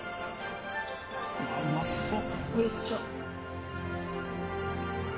うわうまそっ。